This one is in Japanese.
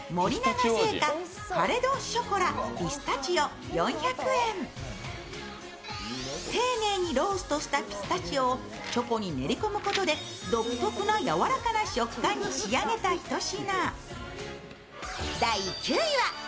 まず第１０位は丁寧にローストしたピスタチオをチョコに練り込むことで独特な柔らかな食感に仕上げた一品。